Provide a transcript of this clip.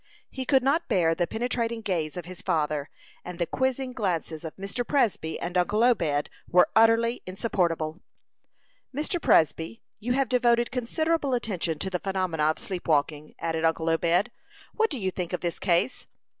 He could not bear the penetrating gaze of his father, and the quizzing glances of Mr. Presby and uncle Obed were utterly insupportable. "Mr. Presby, you have devoted considerable attention to the phenomena of sleep walking," added uncle Obed. "What do you think of this case?"